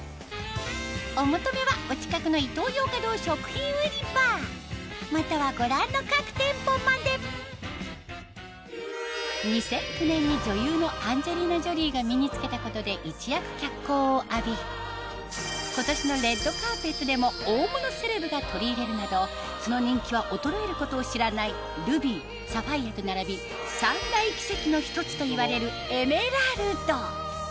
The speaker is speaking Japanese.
お求めはお近くのイトーヨーカドー食品売場またはご覧の各店舗まで２００９年にが身に着けたことで一躍脚光を浴び今年のレッドカーペットでも大物セレブが取り入れるなどその人気は衰えることを知らないルビーサファイアと並び三大貴石の一つといわれるエメラルド